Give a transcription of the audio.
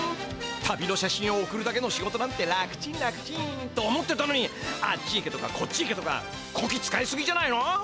旅の写真を送るだけの仕事なんて楽ちん楽ちん。と思ってたのにあっち行けとかこっち行けとかこき使いすぎじゃないの？